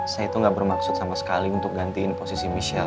saya itu gak bermaksud sama sekali untuk gantiin posisi michelle